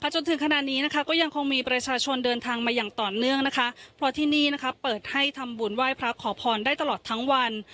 จนถึงขณะนี้นะคะก็ยังคงมีประชาชนเดินทางมาอย่างต่อเนื่องนะคะเพราะที่นี่นะคะเปิดให้ทำบุญไหว้พระขอพรได้ตลอดทั้งวัน